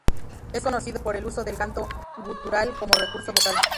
Es conocido por el uso del canto gutural como recurso vocal.